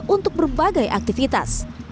untuk berbagai aktivitas